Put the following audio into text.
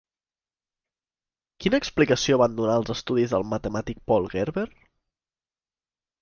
Quina explicació van donar els estudis del matemàtic Paul Gerber?